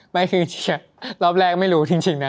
ไม่คือเชียร์รอบแรกไม่รู้จริงนะ